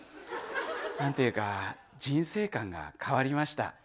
何ていうか人生観が変わりました。